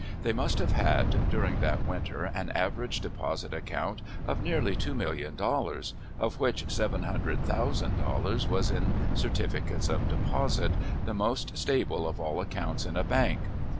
They must have had, during that winter, an average deposit account of nearly two million dollars, of which seven hundred thousand dollars was in "certificates of deposit," the most stable of all accounts in a bank.